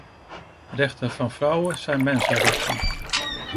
Rechten van vrouwen zijn mensenrechten.